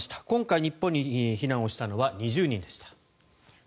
今回、日本に避難をしたのは２０人でした。